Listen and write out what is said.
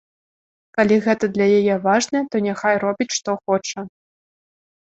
Калі гэта для яе важна, то няхай робіць што хоча.